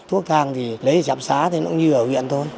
thuốc thang thì lấy ở trạm xá thì nó cũng như ở huyện thôi